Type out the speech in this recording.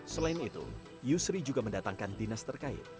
selain itu yusri juga mendatangkan dinas terkait